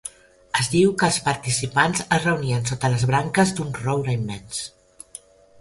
Es diu que els participants es reunien sota les branques d'un roure immens.